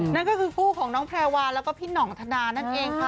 นั่นก็คือคู่ของน้องแพรวาแล้วก็พี่หน่องธนานั่นเองค่ะ